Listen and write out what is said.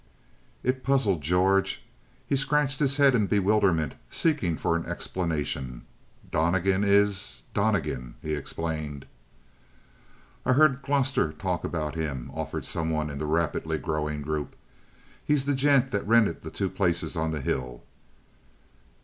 It puzzled George. He scratched his head in bewilderment seeking for an explanation. "Donnegan is Donnegan," he explained. "I heard Gloster talk about him," offered someone in the rapidly growing group. "He's the gent that rented the two places on the hill."